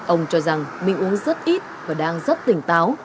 ông cho rằng bị uống rất ít và đang rất tỉnh táo